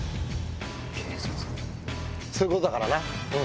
そういうことだからな。